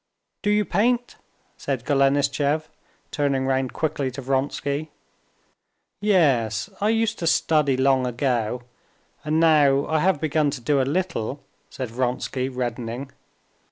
"Do you paint?" said Golenishtchev, turning round quickly to Vronsky. "Yes, I used to study long ago, and now I have begun to do a little," said Vronsky, reddening.